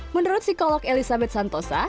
menurut psikolog elizabeth santosa